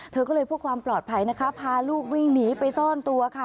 เธอก็เลยเพื่อความปลอดภัยนะคะพาลูกวิ่งหนีไปซ่อนตัวค่ะ